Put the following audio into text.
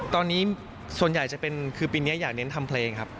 ตอนนี้ปีนี้อยากเน้นทำเพลงครับ